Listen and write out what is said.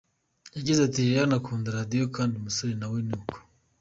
Yagize ati “Lilian akunda Radio kandi umusore na we ni uko.